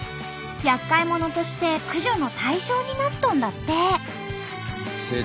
やっかい者として駆除の対象になっとんだって！